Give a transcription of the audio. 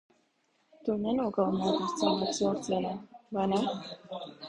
Tu nenogalināji tos cilvēkus vilcienā, vai ne?